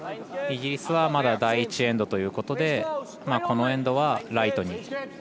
イギリスはまだ第１エンドということでこのエンドはライトに。